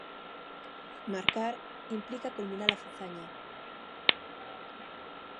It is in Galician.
Marcar implica culminar a fazaña.